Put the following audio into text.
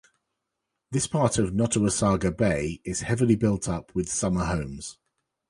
This part of Nottawasaga Bay is heavily built up with summer homes.